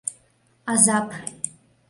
— Азап!